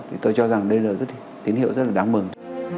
thì tôi cho rằng đây là rất tín hiệu rất là đáng mừng